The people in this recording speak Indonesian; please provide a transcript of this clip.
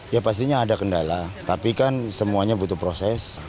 ya pastinya ada kendala tapi kan semuanya butuh proses